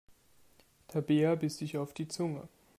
Tabea biss sich auf die Zunge.